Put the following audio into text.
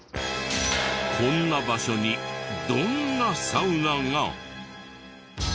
こんな場所にどんなサウナが！？